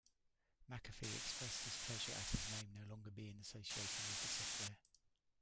McAfee expressed his pleasure at his name no longer being associated with the software.